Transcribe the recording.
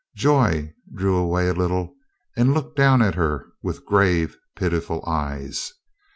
Joy drew away a little and looked down at her with grave, pitiful eyes.